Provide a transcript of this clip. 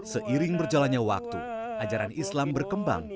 seiring berjalannya waktu ajaran islam berkembang